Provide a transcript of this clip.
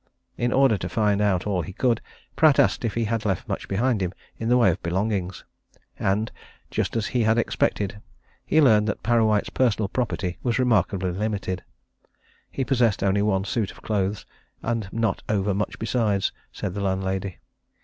In order to find out all he could, Pratt asked if he had left much behind him in the way of belongings, and just as he had expected he learned that Parrawhite's personal property was remarkably limited: he possessed only one suit of clothes and not over much besides, said the landlady.